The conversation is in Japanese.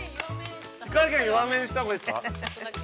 ◆火かげん、弱めにしたほうがいいですか？